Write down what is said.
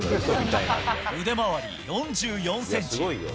腕周り４４センチ。